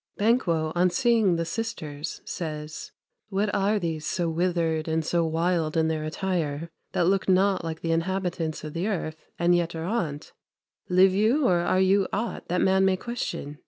Banquo, on seeing the sisters, says "What are these, So withered and so wild in their attire, That look not like the inhabitants o' th' earth, And yet are on't? Live you, or are you aught That man may question?